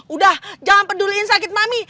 udah jangan peduliin sakit mami